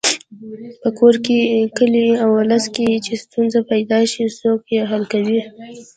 په کور، کلي او ولس کې چې ستونزه پیدا شي څوک یې حل کوي.